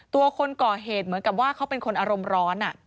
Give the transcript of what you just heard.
ตัวคนก่อเหตุเหมือนกับว่าเขาเป็นคนอารมณ์ร้อน